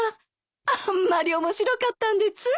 あんまり面白かったんでつい。